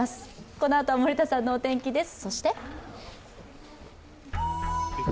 このあとは森田さんのお天気です。